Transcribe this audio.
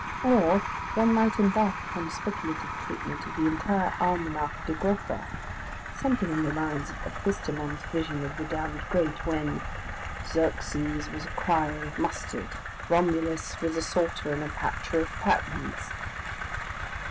Or one might embark upon a speculative treatment of the entire Almanach de Gotha, something on the lines of Epistemon's vision of the damned great, when "Xerxes was a crier of mustard. Romulus was a salter and a patcher of patterns...."